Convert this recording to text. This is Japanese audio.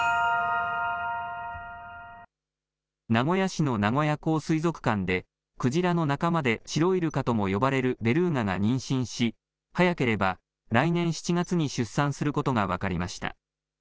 名古屋市の名古屋港水族館で、クジラの仲間でシロイルカとも呼ばれるベルーガが妊娠し、早ければ来年７月に出産することが分かりました。